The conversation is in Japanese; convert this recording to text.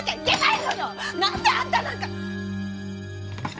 なんであんたなんか！